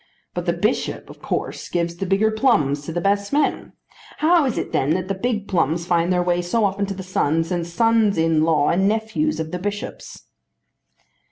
But the bishop of course gives the bigger plums to the best men. How is it then that the big plums find their way so often to the sons and sons in law and nephews of the bishops?"